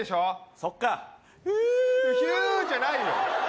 そっかヒューヒューじゃないよ